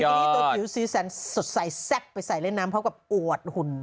ตอนนี้ตัวเอลซีแซนสดใสแซ่บไปใส่เล่นน้ำเพราะแบบอวดหุ่น